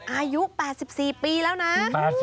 อายุ๘๔ปีแล้วนะ